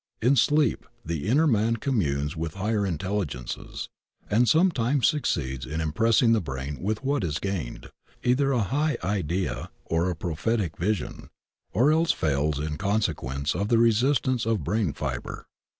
In sleep the inner man communes with hi^er intelligences, and sometimes succeeds in im pressing the brain with what is gained, either a high idea or a prophetic vision, or else fails in consequence of the resistance of brain fiber.